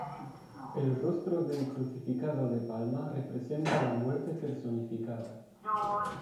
El rostro del crucificado de Palma representa la muerte personificada.